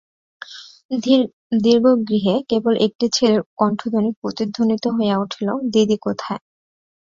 দীর্ঘ গৃহে কেবল একটি ছেলের কণ্ঠধ্বনি প্রতিধ্বনিত হইয়া উঠিল দিদি কোথায়।